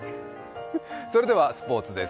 それではスポーツです。